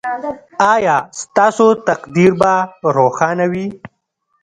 ایا ستاسو تقدیر به روښانه وي؟